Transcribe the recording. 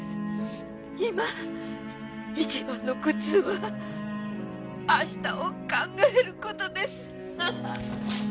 「今一番の苦痛は明日を考える事です」